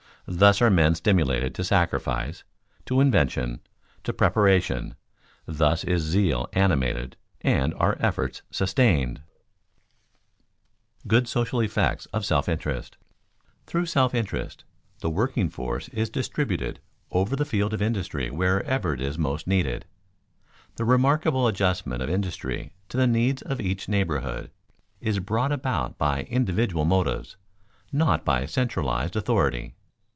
Thus are men stimulated to sacrifice, to invention, to preparation; thus is zeal animated and are efforts sustained. [Sidenote: Good social effects of self interest] Through self interest the working force is distributed over the field of industry wherever it is most needed. The remarkable adjustment of industry to the needs of each neighborhood is brought about by individual motives, not by centralized authority.